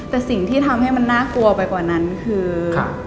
แต่สิ่งที่ทำให้มันน่ากลัวไปกว่านั้นคือ